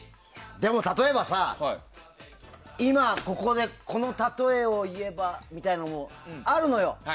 例えば、今ここでこのたとえを言えばみたいなのもあるのよ。